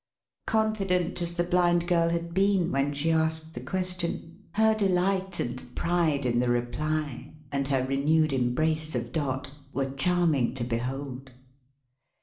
Confident as the Blind Girl had been when she asked the question, her delight and pride in the reply, and her renewed embrace of Dot, were charming to behold.